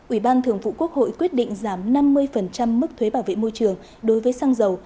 ủy ban thường vụ quốc hội quyết định giảm năm mươi mức thuế bảo vệ môi trường đối với xăng dầu